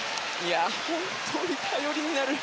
本当に頼りになる。